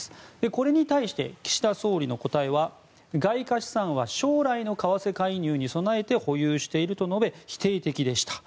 これに対して岸田総理の答えは外貨資産は将来の為替介入に備えて保有していると述べ否定的でした。